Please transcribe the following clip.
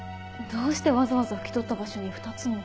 どうしてわざわざ拭き取った場所に２つも。